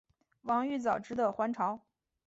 王玉藻只得还朝。